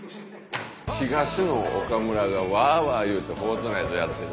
東野岡村がワワ言うて『フォートナイト』やってる。